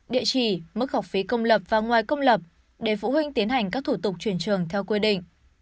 địa chỉ mức học phí công lập và ngoài công lập để phụ huynh tiến hành các thủ tục chuyển trường theo quy định